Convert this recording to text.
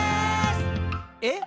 「え？